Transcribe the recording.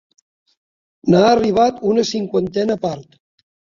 N'ha arribat una cinquantena part.